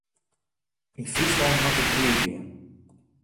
Yn Fryslân moat it goed gean.